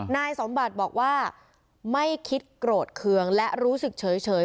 นายสมบัติบอกว่าไม่คิดโกรธเคืองและรู้สึกเฉย